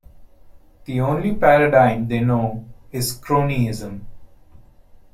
"The only paradigm they know is cronyism.